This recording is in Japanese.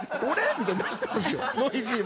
みたいになってるんですノイジーも。